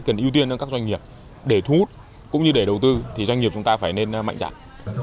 cần ưu tiên cho các doanh nghiệp để thu hút cũng như để đầu tư thì doanh nghiệp chúng ta phải nên mạnh dạng